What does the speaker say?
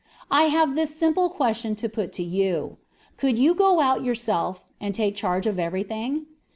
I have this simple question to put to you: Could you go out yourself, and take charge of everything?